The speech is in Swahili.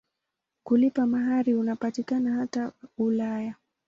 Kulipa mahari unapatikana hata Ulaya.